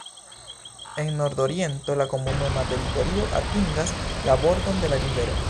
En nordoriento la komunuma teritorio atingas la bordon de la rivero.